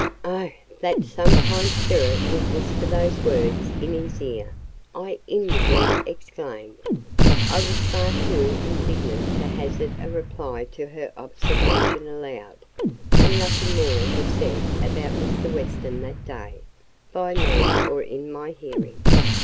"Oh! that some kind spirit would whisper those words in his ear," I inwardly exclaimed. I was far too indignant to hazard a reply to her observation aloud; and nothing more was said about Mr. Weston that day, by me or in my hearing.